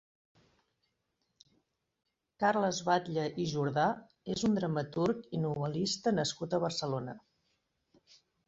Carles Batlle i Jordà és un dramaturg i novelista nascut a Barcelona.